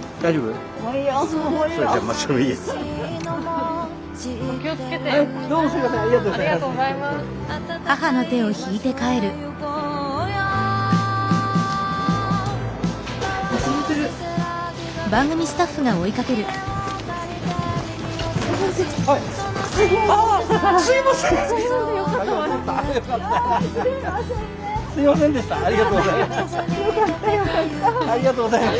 ありがとうございます。